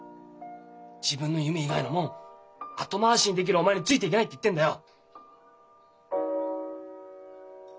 自分の夢以外のもん後回しにできるお前についていけないって言ってんだよ！